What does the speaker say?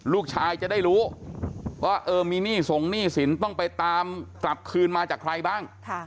จะได้รู้ว่าเออมีหนี้ส่งหนี้สินต้องไปตามกลับคืนมาจากใครบ้าง